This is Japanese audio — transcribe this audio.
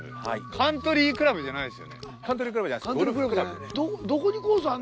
カントリークラブじゃないです。